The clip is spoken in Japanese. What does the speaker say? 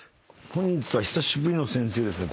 本日は久しぶりの先生ですね。